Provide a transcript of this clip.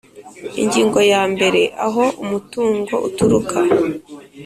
Ingingo ya mbere aho umutungo uturuka